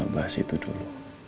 gak bahas itu dulu